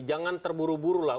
jangan terburu buru lah